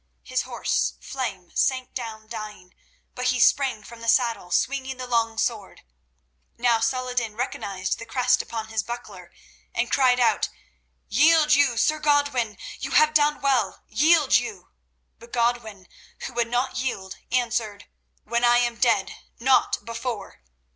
His horse Flame sank down dying, but he sprang from the saddle, swinging the long sword. Now Saladin recognized the crest upon his buckler, and cried out: "Yield you, Sir Godwin! You have done well—yield you!" But Godwin, who would not yield, answered: "When I am dead—not before."